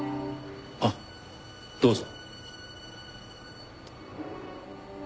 あっどうぞ。